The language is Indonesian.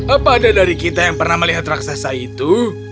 apa ada dari kita yang pernah melihat raksasa itu